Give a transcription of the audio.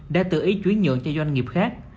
đã tự ý chuyển nhượng cho doanh nghiệp khác